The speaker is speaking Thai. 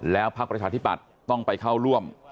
แล้วพักประชาธิบัติต้องไปเข้าร่วม